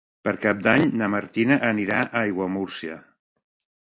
Per Cap d'Any na Martina anirà a Aiguamúrcia.